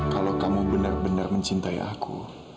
kalau kamu benar benar mencintai aku